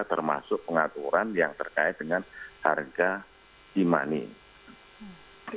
termasuk pengaturan yang terkait dengan harga e money